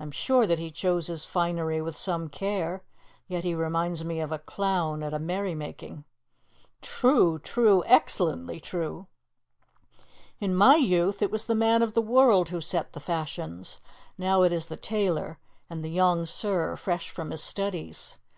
I am sure that he chose his finery with some care, yet he reminds me of a clown at a merrymaking." "True, true excellently true!" "In my youth it was the man of the world who set the fashions; now it is the tailor and the young sir fresh from his studies.